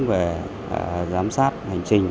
về giám sát hành trình